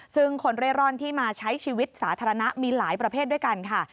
ซึ่งคนเร่ร่อนที่มาใช้ชีวิตสาธารณะมีหลายประเภทด้วยกันค่ะ